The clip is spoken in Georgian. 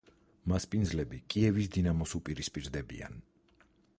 მასპინძლები კიევის „დინამოს“ უპირისპირდებიან.